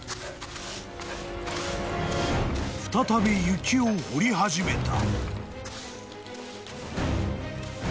［再び雪を掘り始めた］